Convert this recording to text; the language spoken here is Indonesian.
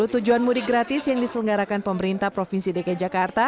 sepuluh tujuan mudik gratis yang diselenggarakan pemerintah provinsi dki jakarta